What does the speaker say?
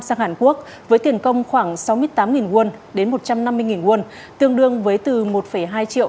sang hàn quốc với tiền công khoảng sáu mươi tám won đến một trăm năm mươi won tương đương với từ một hai triệu